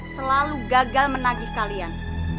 selalu gagal menagih kalian